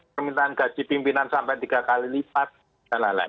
permintaan gaji pimpinan sampai tiga kali lipat dan lain lain